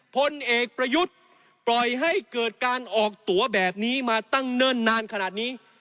พลเอกประยุทธ์ปล่อยให้เกิดการออกตัวแบบนี้มาตั้งเนิ่นนานขนาดนี้